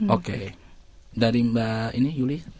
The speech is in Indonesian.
oke dari mbak ini yuli